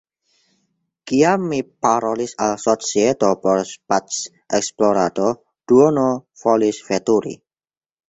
Kiam mi parolis al societo por spacesplorado, duono volis veturi.